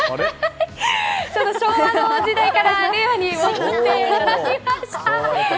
昭和の時代から令和に戻ってまいりました！